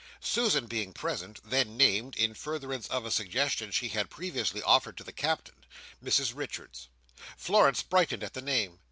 Susan, being present, then named, in furtherance of a suggestion she had previously offered to the Captain, Mrs Richards. Florence brightened at the name.